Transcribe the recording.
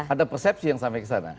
ada persepsi yang sampai kesana